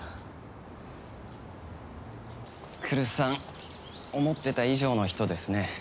来栖さん思ってた以上の人ですね。